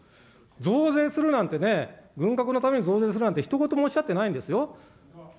増税するなんてね、軍拡のために増税するなんて、ひと言もおっしゃってないんですよ。